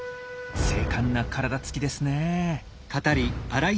精悍な体つきですね。